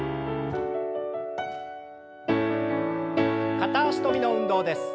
片脚跳びの運動です。